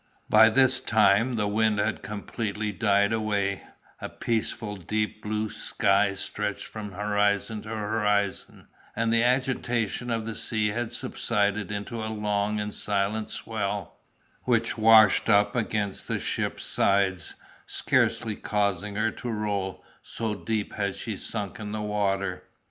By this time the wind had completely died away; a peaceful deep blue sky stretched from horizon to horizon; and the agitation of the sea had subsided into a long and silent swell, which washed up against the ship's sides, scarcely causing her to roll, so deep had she sunk in the water.